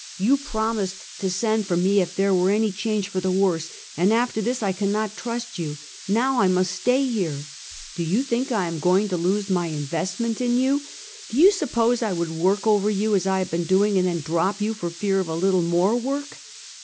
You promised to send for me if there were any cliange for the worse; and after this I cannot trust you. ISTow I must stay here. Do you think I am going to lose my investment in you? Do you sup pose I would work over you as I have been doing, and then drop you for fear of a little more work?